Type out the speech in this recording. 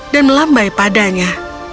dan melambai padanya